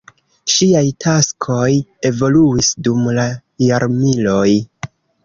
Ŝiaj taskoj evoluis dum la jarmiloj.